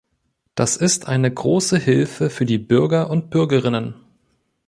Das ist eine große Hilfe für die Bürger und Bürgerinnen.